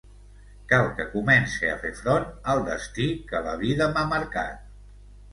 Cal que comence a fer front al destí que la vida m’ha marcat.